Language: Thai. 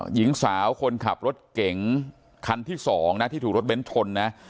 หญิงสาวคนขับรถเก๋งคันที่๒นะที่ถูกรถเบ้นชนนะ